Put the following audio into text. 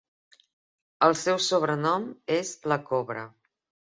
El seu sobrenom és La Cobra.